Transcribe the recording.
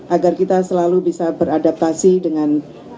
agar kita selalu bisa beradaptasi dengan